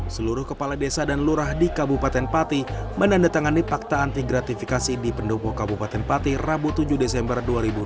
seluruh kepala desa dan lurah di kabupaten pati menandatangani pakta anti gratifikasi di pendopo kabupaten pati rabu tujuh desember dua ribu dua puluh